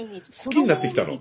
好きになってきたの？